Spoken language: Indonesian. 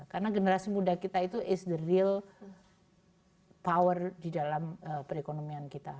karena generasi muda kita itu adalah kekuatan yang benar di dalam perekonomian kita